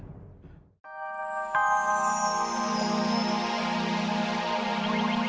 sampai jumpa di video selanjutnya